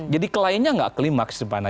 jadi kelainnya tidak klimaks sebenarnya